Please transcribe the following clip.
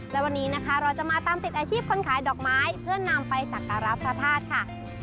และวันนี้นะคะเราจะมาตามติดอาชีพคนขายดอกไม้เพื่อนำไปสักการะพระธาตุค่ะ